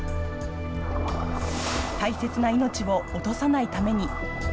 大切な命を落とさないために。